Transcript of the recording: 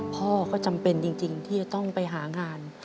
พ่อก็จำเป็นจริงที่จะต้องไปหางาน